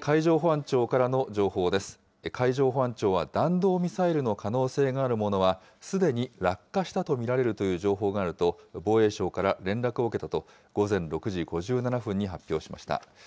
海上保安庁は、弾道ミサイルの可能性があるものは、すでに落下したと見られるという情報があると、防衛省から連絡を受けたと、午前６時５７分に発表しました。